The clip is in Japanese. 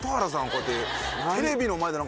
こうやって。